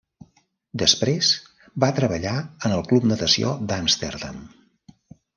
Després, va treballar en el club natació d'Amsterdam.